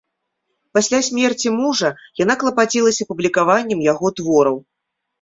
Пасля смерці мужа яна клапацілася публікаваннем яго твораў.